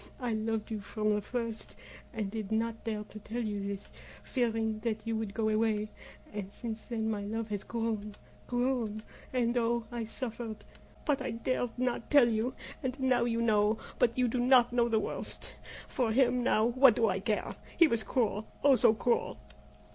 I loved you from the first, and did not dare to tell you this fearing that you would go away; and since then my love has grown grown and oh! I suffered! but I dared not tell you. And now you know, but you do not know the worst. For him now what do I care? He was cruel oh, so cruel!"